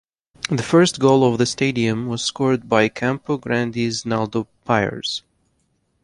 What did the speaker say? The first goal of the stadium was scored by Campo Grande's Naldo Pires.